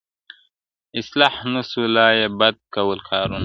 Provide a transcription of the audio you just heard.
اصلاح نه سو لایې بد کول کارونه,